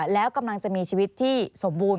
แล้วกำลังจะมีชีวิตที่สมบูรณ